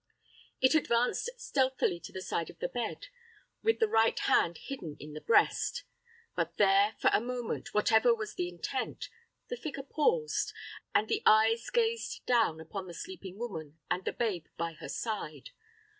It advanced stealthily to the side of the bed, with the right hand hidden in the breast; but there, for a moment, whatever was the intent, the figure paused, and the eyes gazed down upon the sleeping woman and the babe by her side.